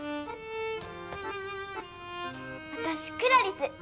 私クラリス！